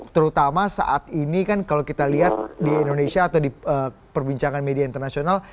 terutama saat ini kan kalau kita lihat di indonesia atau di perbincangan media internasional